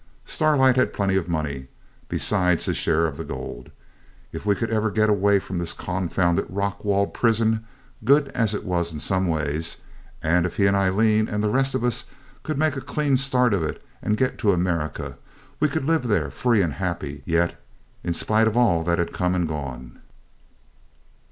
Starlight had plenty of money, besides his share of the gold. If we could ever get away from this confounded rock walled prison, good as it was in some ways; and if he and Aileen and the rest of us could make a clean dart of it and get to America, we could live there free and happy yet, in spite of all that had come and gone.